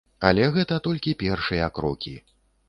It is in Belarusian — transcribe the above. Але гэта толькі першыя крокі.